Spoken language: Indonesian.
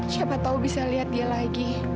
siapa tahu bisa lihat dia lagi